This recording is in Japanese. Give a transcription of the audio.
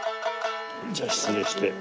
じゃあ失礼して。